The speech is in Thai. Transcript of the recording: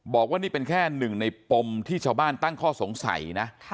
บอกว่านี่เป็นแค่หนึ่งในปมที่ชาวบ้านตั้งข้อสงสัยนะ